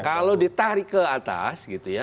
kalau ditarik ke atas gitu ya